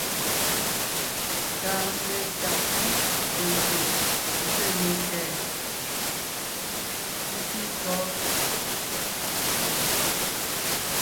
Ta metá pú pe lyò zsé nò tɛʼ ? ntí kɔ́?